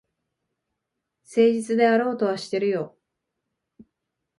誠実であろうとはしてるよ。